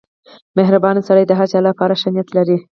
• مهربان سړی د هر چا لپاره ښه نیت لري.